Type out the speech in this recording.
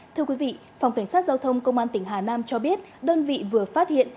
thưa quý vị phòng cảnh sát giao thông công an tỉnh hà nam cho biết đơn vị vừa phát hiện